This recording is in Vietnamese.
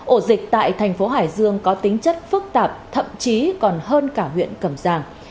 ổ dịch tại thành phố hải dương có tính chất phức tạp thậm chí còn hơn cả huyện cầm giang